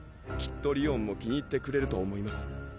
きっとりおんも気に入ってくれると思います。